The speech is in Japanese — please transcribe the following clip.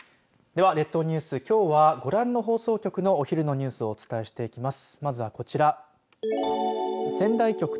では、列島ニュースきょうはご覧の放送局のお昼のニュースをお伝えしています。